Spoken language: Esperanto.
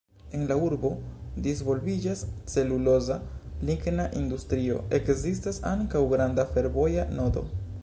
En la urbo disvolviĝas celuloza–ligna industrio, ekzistas ankaŭ granda fervoja nodo.